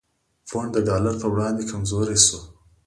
پونډ د ډالر په وړاندې کمزوری شو؛